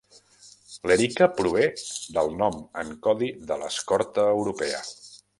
L'"Erika" prové del nom en codi de l'escorta europea.